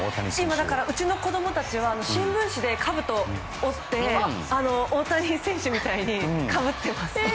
うちの子供たちは新聞紙でかぶとを折って大谷選手にみたいにかぶっています。